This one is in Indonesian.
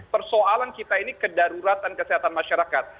persoalan kita ini kedaruratan kesehatan masyarakat